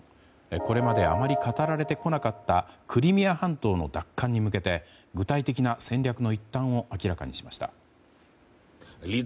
これまであまり語られてこなかったクリミア半島の奪還に向けて具体的な戦略の一端を明らかにしました。